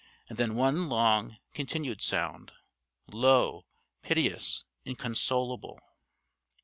And then one long continued sound low, piteous, inconsolable.